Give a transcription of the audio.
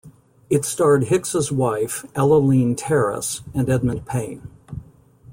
It starred Hicks's wife, Ellaline Terriss and Edmund Payne.